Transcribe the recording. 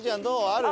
ある？